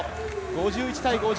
５１対５０。